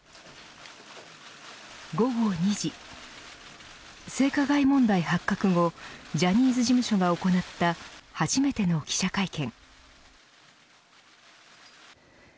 午後２時性加害問題発覚後ジャニーズ事務所が行った初めての記者会見。